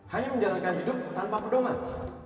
hanya menjalankan hidup tanpa pedoman